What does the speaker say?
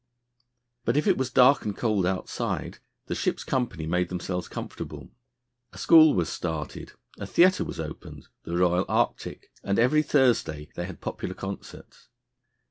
But if it was dark and cold outside, the ship's company made themselves comfortable. A school was started, a theatre was opened the Royal Arctic and every Thursday they had popular concerts.